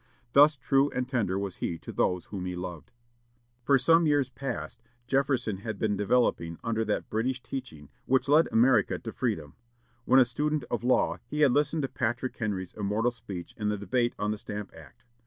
Thus true and tender was he to those whom he loved. For some years past, Jefferson had been developing under that British teaching which led America to freedom. When a student of law, he had listened to Patrick Henry's immortal speech in the debate on the Stamp Act.